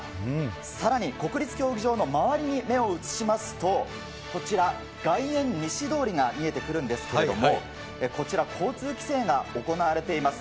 さらに、国立競技場の周りに目を移しますと、こちら、外苑西通りが見えてくるんですけれども、こちら、交通規制が行われています。